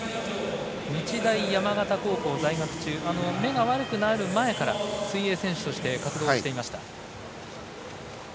日大山形高校在学中目が悪くなる前から水泳選手として活動していました。